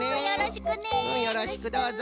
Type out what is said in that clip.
よろしくどうぞ。